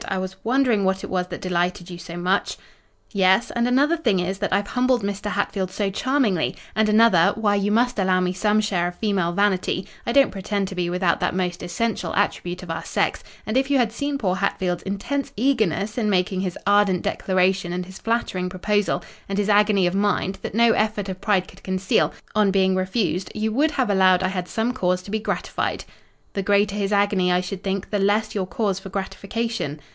I was wondering what it was that delighted you so much." "Yes; and another thing is, that I've humbled Mr. Hatfield so charmingly; and another—why, you must allow me some share of female vanity: I don't pretend to be without that most essential attribute of our sex—and if you had seen poor Hatfield's intense eagerness in making his ardent declaration and his flattering proposal, and his agony of mind, that no effort of pride could conceal, on being refused, you would have allowed I had some cause to be gratified." "The greater his agony, I should think, the less your cause for gratification."